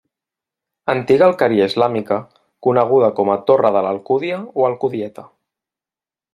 Antiga alqueria islàmica, coneguda com a Torre de l'Alcúdia o Alcudieta.